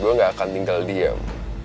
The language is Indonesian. gue gak akan tinggal diam